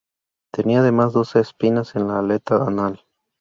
Tienen además dos espinas en la aleta anal.